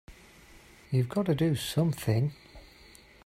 You've got to do something!